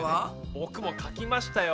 ボクもかきましたよ。